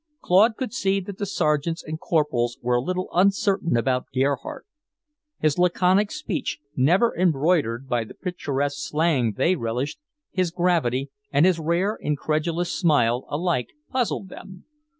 Claude could see that the sergeants and corporals were a little uncertain about Gerhardt. His laconic speech, never embroidered by the picturesque slang they relished, his gravity, and his rare, incredulous smile, alike puzzled them.